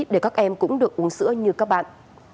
để các em cũng được uống sữa như các bạn